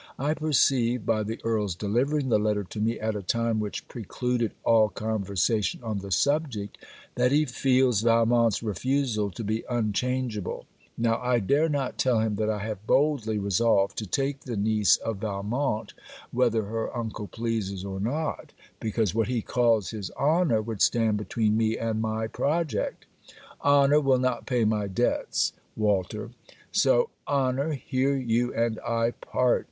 I perceive, by the Earl's delivering the letter to me at a time which precluded all conversation on the subject, that he feels Valmont's refusal to be unchangeable; now I dare not tell him that I have boldly resolved to take the niece of Valmont whether her uncle pleases or not, because what he calls his honour would stand between me and my project. Honour will not pay my debts, Walter. So, honour, here you and I part.